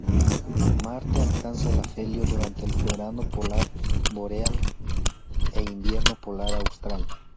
Marte alcanza el afelio durante el verano polar boreal e invierno polar austral.